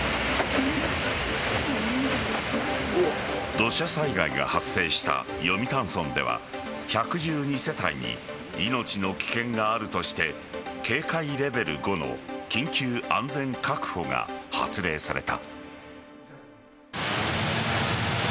土砂災害が発生した読谷村では１１２世帯に命の危険があるとして警戒レベル５の緊急安全確保が発令された。